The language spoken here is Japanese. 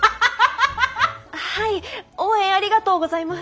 はい応援ありがとうございます。